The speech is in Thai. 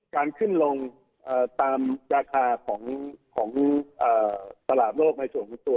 การขึ้นลงตามราคาของตลาดโลกในส่วนของตัว